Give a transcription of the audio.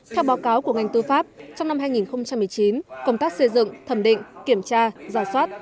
theo báo cáo của ngành tư pháp trong năm hai nghìn một mươi chín công tác xây dựng thẩm định kiểm tra giả soát